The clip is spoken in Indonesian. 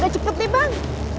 agak cepet deh bang